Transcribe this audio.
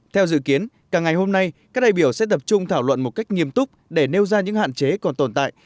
theo dự kiến cả ngày hôm nay các đại biểu sẽ tập trung thảo luận một cách nghiêm túc để nêu ra những hạn chế còn tồn tại